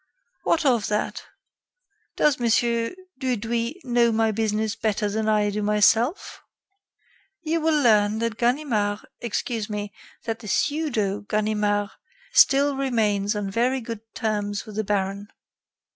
"What of that? Does Mon. Dudouis know my business better than I do myself? You will learn that Ganimard excuse me that the pseudo Ganimard still remains on very good terms with the baron.